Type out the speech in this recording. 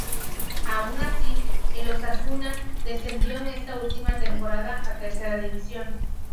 Aun así, el Osasuna descendió en esta última temporada a Tercera División.